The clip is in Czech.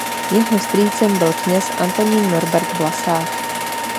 Jeho strýcem byl kněz Antonín Norbert Vlasák.